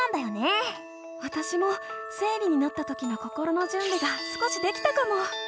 わたしも生理になったときの心のじゅんびが少しできたかも。